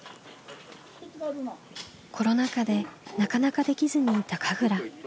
コロナ禍でなかなかできずにいた神楽。